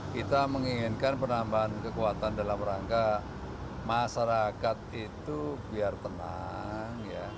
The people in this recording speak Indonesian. kita menginginkan penambahan kekuatan dalam rangka masyarakat itu biar tenang